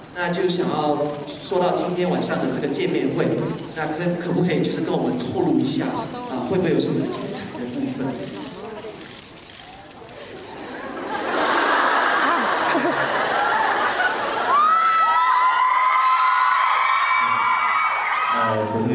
อยากจะพูดถึงการเจอกันตอนนี้